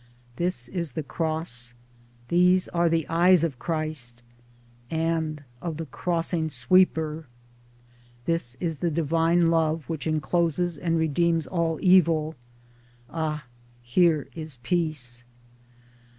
This is the Cross; these are the eyes of Christ — and of the crossing sweeper; This is the Divine love which encloses and redeems all evil. Ah ! here is peace